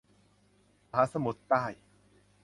มหาสมุทรใต้